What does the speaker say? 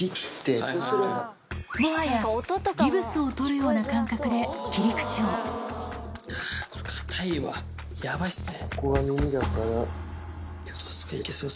もはやギプスを取るような感覚で切り口をこれかたいわヤバいっすね。